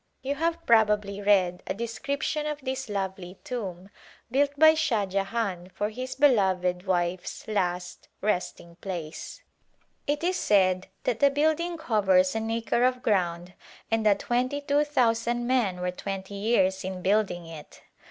You have probably read a description of this lovely tomb built by Shah Jahan for his beloved w^ife's last resting place. It is said that the building covers an acre of ground and that twenty two thousand men were twenty years in building it.